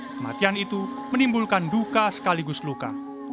kematian itu menimbulkan duka sekaligus luka